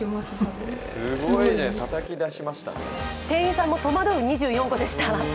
店員さんも戸惑う２４個でした。